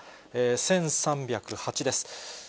１３０８です。